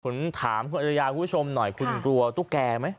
ผมถามคุณอริยาคุณผู้ชมหน่อยคุณกลัวตุ๊กแกไหม